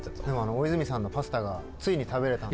大泉さんのパスタがついに食べれたんで。